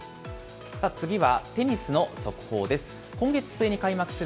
次はテニスの速報です。